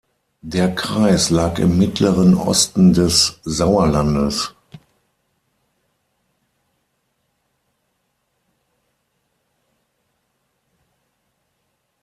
Der Kreis lag im mittleren Osten des Sauerlandes.